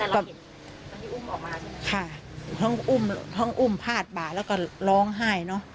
ค่ะต้องอุ้มพาดบ่าแล้วก็ร้องไห้เนอะ